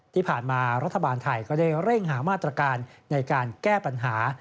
ที่ผ่านมารัฐบาลไทยก็ได้เร่งหามาตรการในการแก้ปัญหา